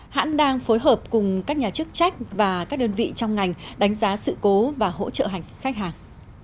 hãn đang phối hợp cùng các nhà chức trách và các đơn vị trong ngành đánh giá sự cố và hỗ trợ hành khách hàng